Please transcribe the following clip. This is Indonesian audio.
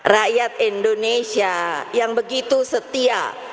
rakyat indonesia yang begitu setia